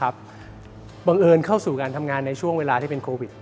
บังเอิญเข้าสู่การทำงานในช่วงเวลาที่เป็นโควิด